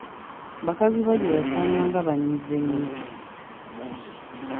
Bakazibaggya yasanganga banyiize nnyo.